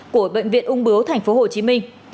của bệnh viện ung bướu tp hồ chí minh